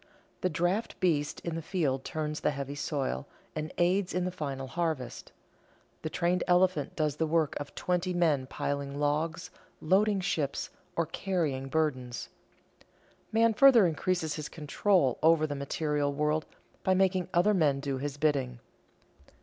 The draft beast in the field turns the heavy soil, and aids in the final harvest. The trained elephant does the work of twenty men piling logs, loading ships, or carrying burdens. Man further increases his control over the material world by making other men do his bidding.